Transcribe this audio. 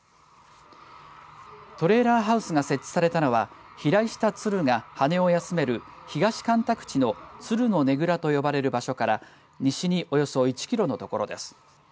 トレーラーハウスが設置されたのは飛来した鶴が羽を休める東干拓地のツルのねぐらと呼ばれる場所から西におよそ１キロのところです。